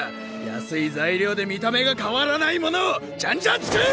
安い材料で見た目が変わらないものをじゃんじゃん作れ！